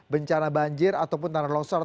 bencana banjir ataupun tanah longsor